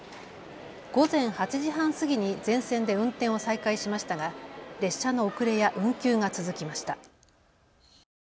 午前８時半過ぎに全線で運転を再開しましたが列車の遅れや運休が続きました。